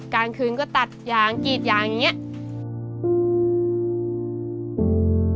กลางคืนก็ตัดยางกรีดยางอย่างนี้